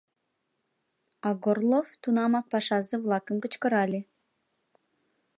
А Горлов тунамак пашазе-влакым кычкырале.